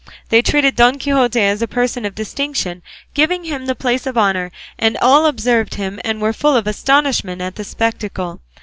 They treated Don Quixote as a person of distinction, giving him the place of honour, and all observed him, and were full of astonishment at the spectacle.